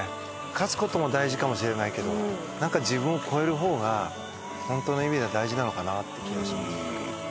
勝つ事も大事かもしれないけど自分を超える方が本当の意味では大事なのかなって気がします。